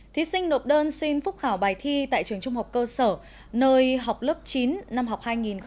thí sinh nộp đơn xin phúc khảo bài thi tại trường trung học cơ sở nơi học lớp chín năm học hai nghìn hai mươi hai nghìn hai mươi